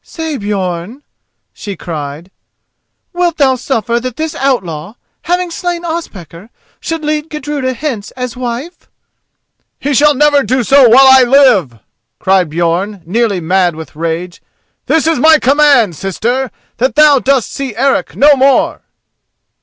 "Say, Björn," she cried; "wilt thou suffer that this outlaw, having slain Ospakar, should lead Gudruda hence as wife?" "He shall never do so while I live," cried Björn, nearly mad with rage. "This is my command, sister: that thou dost see Eric no more."